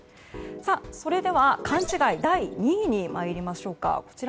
それでは勘違い第２位に参りましょうか。